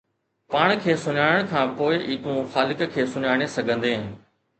پاڻ کي سڃاڻڻ کان پوءِ ئي تون خالق کي سڃاڻي سگهندين.